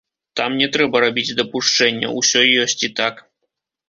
Там не трэба рабіць дапушчэння — усё ёсць і так.